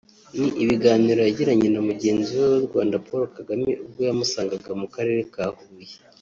ni ibiganiro yagiranye na mugenzi we w’u Rwanda Paul Kagame ubwo yamusangaga mu karere ka Huye